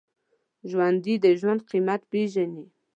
ژوندي د ژوند قېمت پېژني